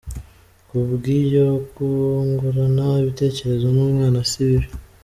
Ku bw’ibyo, kungurana ibitekerezo n’umwana si bibi.